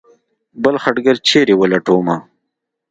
بل خټګر چېرې ولټومه.